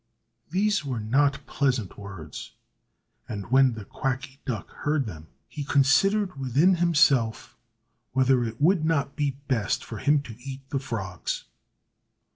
These were not pleasant words. And when the Quacky Duck heard them, he considered within himself whether it would not be best for him to eat the frogs.